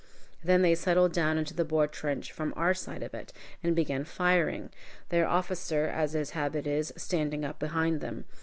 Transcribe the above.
Then they settled down into the Boer trench, from our side of it, and began firing, their officer, as his habit is, standing up behind them.